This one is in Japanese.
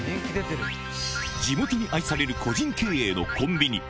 地元に愛される個人経営のコンビニ。